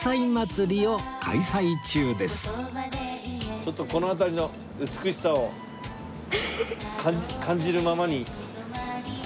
ちょっとこの辺りの美しさを感じるままに。